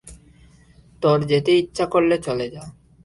তোর যেতে ইচ্ছা করলে চলে যা।